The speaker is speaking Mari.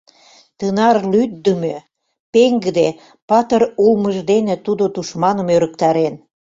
Тынар лӱддымӧ, пеҥгыде, патыр улмыж дене тудо тушманым ӧрыктарен.